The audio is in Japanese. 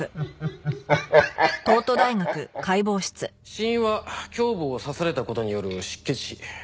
死因は胸部を刺された事による失血死。